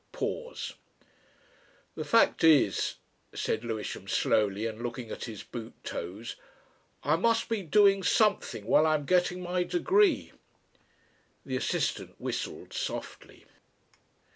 Pause. "The fact is," said Lewisham slowly and looking at his boot toes, "I must be doing something while I am getting my degree." The assistant, whistled softly.